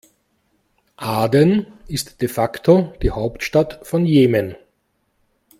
Aden ist de facto die Hauptstadt von Jemen.